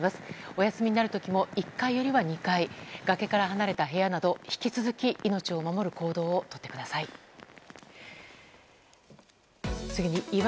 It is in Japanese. お休みになる時も１階よりは２階崖から離れた部屋など引き続き命を守る行動をとってください。